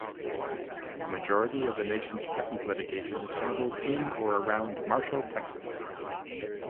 The majority of the nation's patent litigation is handled in or around Marshall, Texas.